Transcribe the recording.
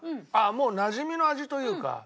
ああもうなじみの味というか。